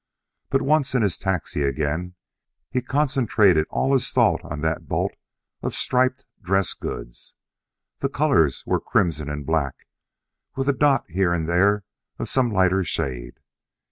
But once in his taxi again, he concentrated all his thought on that bolt of striped dress goods. The colors were crimson and black, with a dot here and there of some lighter shade!